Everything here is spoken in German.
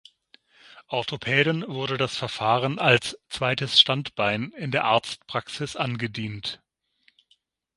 Orthopäden wurde das Verfahren als „zweites Standbein“ in der Arztpraxis angedient.